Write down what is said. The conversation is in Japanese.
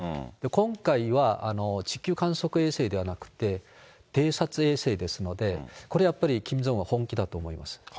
今回は、地球観測衛星ではなくて、偵察衛星ですので、これやっぱりキム・ジョンウンは本気だと思います。